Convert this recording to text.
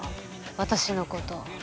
私のこと。